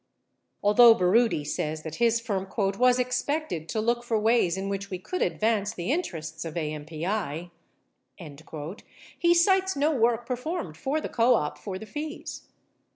61 Although Baroody says that his firm "was expected to look for ways in which we could advance the interests of AMPI," he cites no work performed for the co op for the fees.